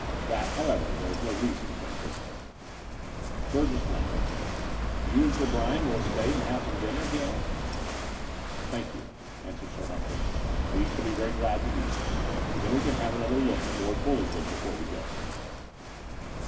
That, however, there is no reason to anticipate." 8o . The Door of the Unreal Btugefis nodded. ''You and Sir Bryan will stay and have some dinner?'* he asked. "Thank you," answered Sir Humphrey, "we shall be very glad to do so; and then we can have another look at Lord BuUingdon before we go."